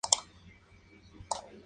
Regresaron a Nueva York.